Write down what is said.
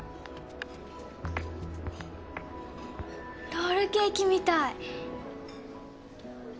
ロールケーキみたい。